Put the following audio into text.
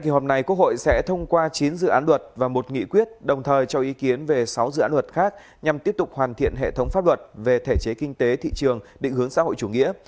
kỳ họp này quốc hội sẽ thông qua chín dự án luật và một nghị quyết đồng thời cho ý kiến về sáu dự án luật khác nhằm tiếp tục hoàn thiện hệ thống pháp luật về thể chế kinh tế thị trường định hướng xã hội chủ nghĩa